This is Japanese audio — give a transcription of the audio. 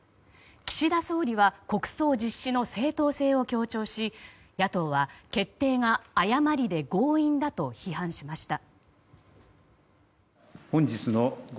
岸田総理は国葬実施の正当性を強調し野党は決定が誤りで強引だと批判しました。